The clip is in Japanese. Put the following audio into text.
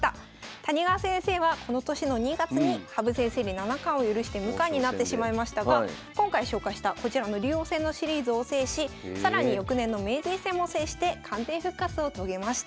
谷川先生はこの年の２月に羽生先生に七冠を許して無冠になってしまいましたが今回紹介したこちらの竜王戦のシリーズを制し更に翌年の名人戦も制して完全復活を遂げました。